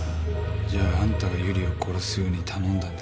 じゃあんたが由理を殺すように頼んだんですか？